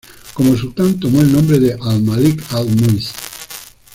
Como sultán, tomó el nombre de al-Malik al-Muizz.